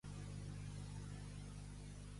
Qui neix amb cada persona morta?